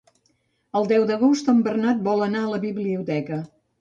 El deu d'agost en Bernat vol anar a la biblioteca.